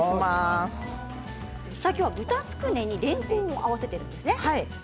今日は豚つくねにれんこんを合わせるんですね。